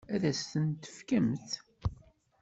Ad as-ten-tefkemt?